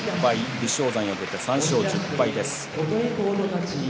武将山は３勝１０敗です。